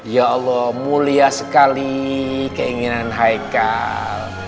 ya allah mulia sekali keinginan haikal